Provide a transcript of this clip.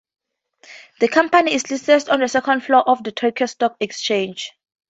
The company is listed on the Second Floor of the Tokyo Stock Exchange.